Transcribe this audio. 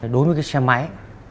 đối với cái xe máy